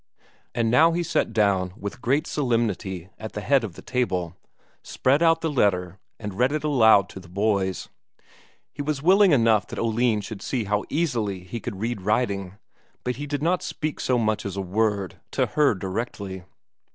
And now he sat down with great solemnity at the head of the table, spread out the letter, and read it aloud to the boys. He was willing enough that Oline also should see how easily he could read writing, but he did not speak so much as a word to her directly.